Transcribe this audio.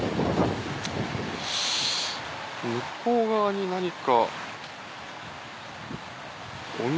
向こう側に何か。